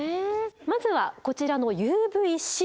まずはこちらのＵＶーＣ。